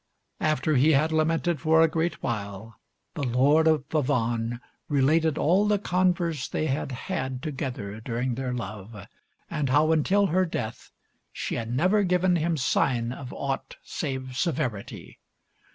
After he had lamented for a great while, the Lord of Avannes related all the converse they had had together during their love, and how, until her death, she had never given him sign of aught save severity.